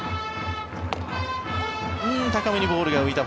高めにボールが浮いた。